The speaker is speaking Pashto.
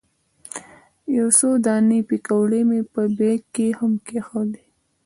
یو څو دانې پیکورې مې په بیک کې هم کېښودې.